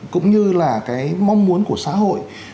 cũng như là cái mong muốn của xã hội